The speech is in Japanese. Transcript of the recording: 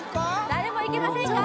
誰もいきませんか？